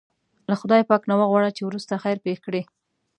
له خدای پاک نه وغواړه چې وروسته خیر پېښ کړي.